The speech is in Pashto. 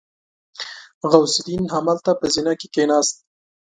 غوث الدين همالته په زينه کې کېناست.